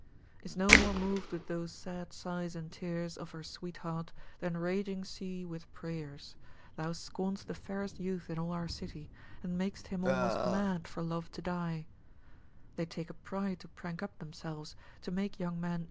Is no more mov'd with those sad sighs and tears, Of her sweetheart, than raging sea with prayers: Thou scorn'st the fairest youth in all our city, And mak'st him almost mad for love to die: They take a pride to prank up themselves, to make young men.